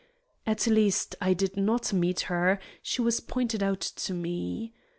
At least I did not meet her; she was pointed out to me.